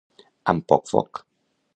Amb poc foc.